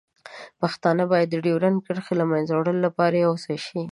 پښتانه باید د ډیورنډ کرښې له منځه وړلو لپاره یوځای شي.